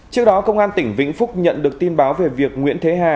trước đó công an tỉnh vĩnh phúc nhận được tin báo về việc nguyễn thế hà